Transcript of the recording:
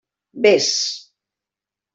Vés.